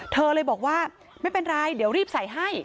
เธอเลยบอกว่าไม่เป็นไรเดี๋ยวรีบใส่ให้